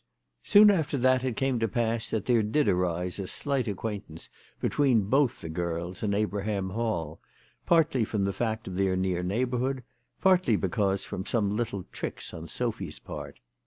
Soon after that it came to pass that there did arise a slight acquaintance between both the girls and Abraham Hall, partly from the fact of their near neighbourhood, partly perhaps from some little tricks on Sophy's part.